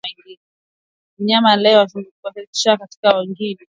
Mnyama aliye na maambukizi ya kichaa cha mbwa hushambulia vitu na wanyama wengine